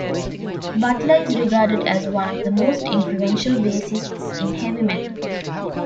Butler is regarded as one of the most influential bassists in heavy metal.